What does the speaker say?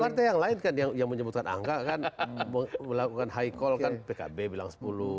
partai yang lain kan yang menyebutkan angka kan melakukan high call kan pkb bilang sepuluh